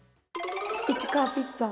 市川ピッツァ